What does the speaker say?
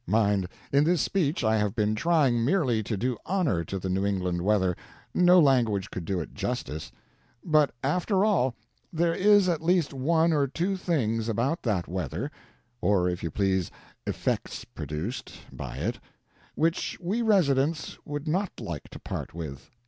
Mind, in this speech I have been trying merely to do honor to the New England weather no language could do it justice. But, after all, there is at least one or two things about that weather (or, if you please, effects produced, by it) which we residents would not like to part with.